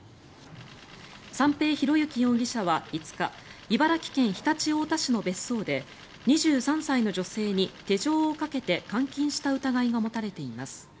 三瓶博幸容疑者は５日茨城県常陸太田市の別荘で２３歳の女性に手錠をかけて監禁した疑いが持たれています。